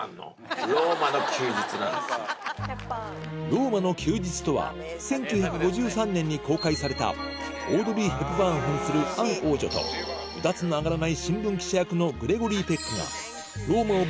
『ローマの休日』とは１９５３年に公開されたオードリー・ヘプバーン扮するアン王女とウダツの上がらない新聞記者役のグレゴリー・ペックがうわっ最悪。